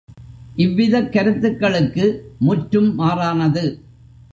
இவ்விதக் கருத்துக்களுக்கு முற்றும் மாறானது.